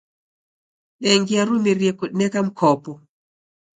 Bengi yarumirie kudineka mkopo.